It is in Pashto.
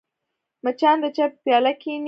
مچان د چای په پیاله کښېني